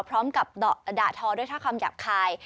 พร้อมกับด่าทอด้วยท่าคำหยาบคาย